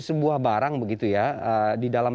sebuah barang begitu ya di dalam